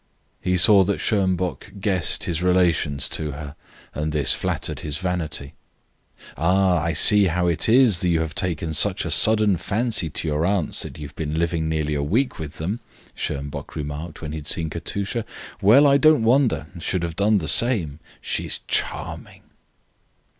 He saw that Schonbock guessed his relations to her and this flattered his vanity. "Ah, I see how it is you have taken such a sudden fancy to your aunts that you have been living nearly a week with them," Schonbock remarked when he had seen Katusha. "Well, I don't wonder should have done the same. She's charming."